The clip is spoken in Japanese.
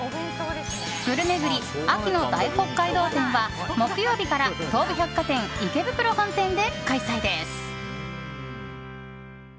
ぐるめぐり秋の大北海道展は木曜日から東武百貨店池袋本店で開催です。